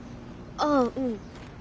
ああうん。